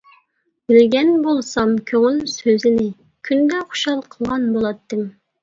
بىلگەن بولسام كۆڭۈل سۆزىنى، كۈندە خۇشال قىلغان بۇلاتتىم.